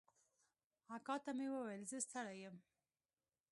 اکا ته مې وويل زه ستړى يم.